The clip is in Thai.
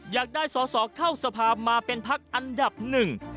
อยากได้สอสอเข้าสภาพมาเป็นพักอันดับหนึ่ง